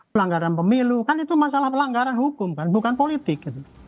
pelanggaran pemilu kan itu masalah pelanggaran hukum kan bukan politik